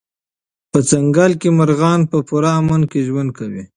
په ځنګل کې مرغان په پوره امن کې ژوند کوي.